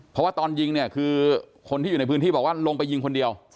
เพราะว่าตอนยิงเนี่ยคือคนที่อยู่ในพื้นที่บอกว่าลงไปยิงคนเดียว